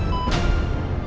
ya allah papa